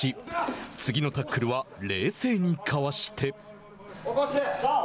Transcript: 次のタックルは冷静にかわして。